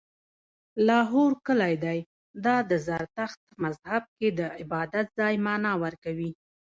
لاهور کلی دی، دا د زرتښت مذهب کې د عبادت ځای معنا ورکوي